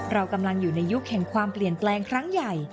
เรากำลังอยู่ในยุคแห่งความเปลี่ยนแปลงครั้งใหญ่